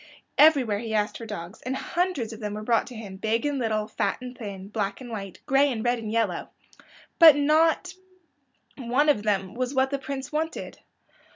Everywhere he asked for dogs, and hundreds of them were brought to him, big and little, fat and thin, black and white, and gray and red and yellow. But not one of them was what the Prince wanted.